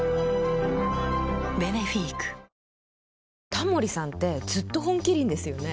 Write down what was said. タモリさんってずっと「本麒麟」ですよね。